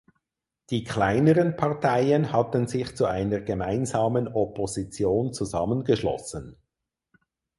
Die kleineren Parteien hatten sich zu einer gemeinsamen Opposition zusammengeschlossen.